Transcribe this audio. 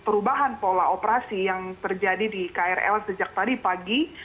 perubahan pola operasi yang terjadi di krl sejak tadi pagi